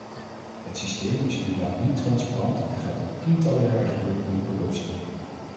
Het systeem is inderdaad niet transparant en gaat al tientallen jaren gebukt onder corruptie.